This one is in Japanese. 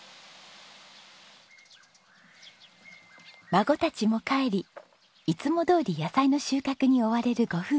孫たちも帰りいつもどおり野菜の収穫に追われるご夫婦。